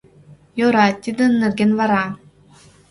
— Йӧра, тидын нерген вара...